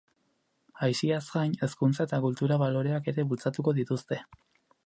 Aisiaz gain, hezkuntza eta kultura baloreak ere bultzatuko dituzte.